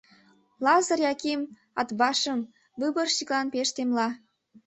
Лазыр Яким Атбашым выборщиклан пеш темла.